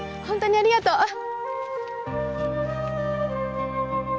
本当にありがとう！